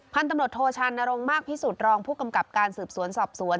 พันธุ์ตำรวจโทชานรงค์มากพิสุทธิรองผู้กำกับการสืบสวนสอบสวน